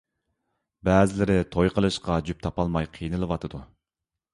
بەزىلىرى توي قىلىشقا جۈپ تاپالماي قىينىلىۋاتىدۇ.